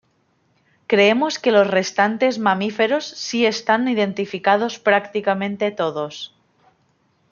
Creemos que los restantes mamíferos si están identificados prácticamente todos.